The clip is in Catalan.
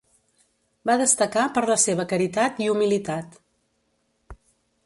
Va destacar per la seva caritat i humilitat.